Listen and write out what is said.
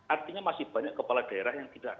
artinya masih banyak kepala daerah yang tidak